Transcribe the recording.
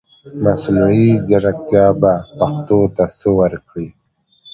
مصنوعي ځرکتيا به پښتو ته سه ورکړٸ